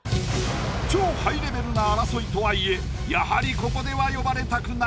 超ハイレベルな争いとはいえやはりここでは呼ばれたくない。